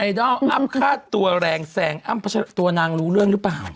ไอดอลอับค่าตัวแรงแสงอัมปัจจาราภาคิดตัวนางรู้เรื่องหรือเปล่า